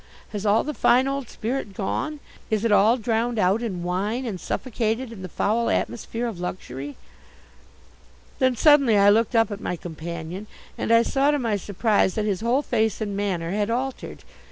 Has all the fine old spirit gone? Is it all drowned out in wine and suffocated in the foul atmosphere of luxury?" Then suddenly I looked up at my companion, and I saw to my surprise that his whole face and manner had altered.